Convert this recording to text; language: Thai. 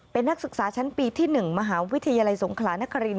เป็นนักศึกษาชั้นปีที่๑มหาวิทยาลัยสงขลานคริน